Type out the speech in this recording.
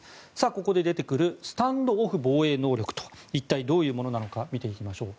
ここで出てくるスタンドオフ防衛能力とは一体、どういうものなのか見ていきましょう。